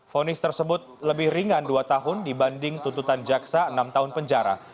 fonis tersebut lebih ringan dua tahun dibanding tuntutan jaksa enam tahun penjara